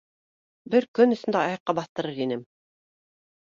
Бер көн эсендә аяҡҡа баҫтырыр инем!